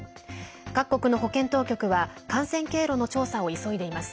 各国の保健当局は感染経路の調査を急いでいます。